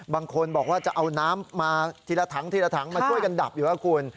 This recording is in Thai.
บางคนบอกว่าจะเอาน้ำมาทีละถังทีละถังมาช่วยกันดับอยู่ครับคุณ